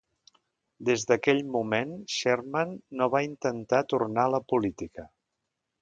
Des d'aquell moment, Sherman no va intentar tornar a la política.